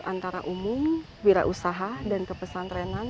antara umum wirausaha dan kepesan trenan